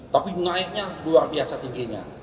tapi naiknya luar biasa tingginya